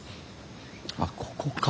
あっここか。